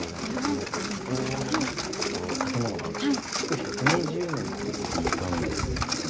あのここの建物は築１２０年って聞いたんですけれども。